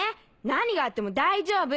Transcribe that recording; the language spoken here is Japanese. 何があっても大丈夫。